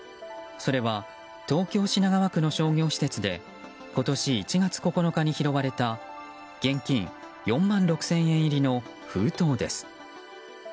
それは東京・品川区の商業施設で今年１月９日に拾われた現金４万６０００円入りの封筒です。